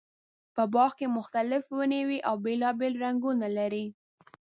په باغ کې مختلفې ونې وي او بېلابېل رنګونه لري.